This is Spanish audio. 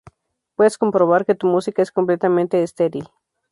puedes comprobar que tu música es completamente estéril